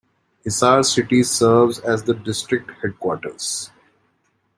Hisar city serves as the district headquarters.